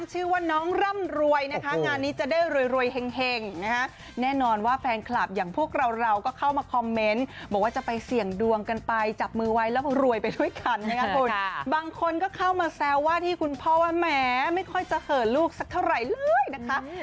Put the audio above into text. จับมือไวแล้วรวยไปด้วยกันบางคนก็เข้ามาแซวว่าที่คุณพ่อว่าแหมไม่ค่อยจะเผลอลูกสักเท่าไหร่เลยนะคะ